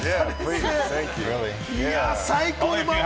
いや、最高！